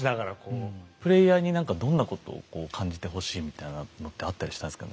プレイヤーに何かどんなことを感じてほしいみたいなのってあったりしたんですか？